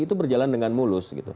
itu berjalan dengan mulus